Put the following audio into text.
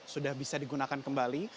sudah bisa digunakan kembali